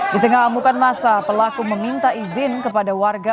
di tengah amukan masa pelaku meminta izin kepada warga